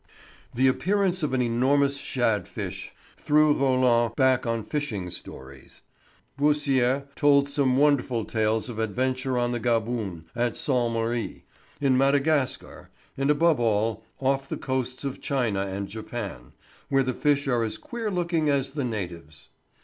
The appearance of an enormous shade fish threw Roland back on fishing stories. Beausire told some wonderful tales of adventure on the Gaboon, at Sainte Marie, in Madagascar, and above all, off the coasts of China and Japan, where the fish are as queer looking as the natives.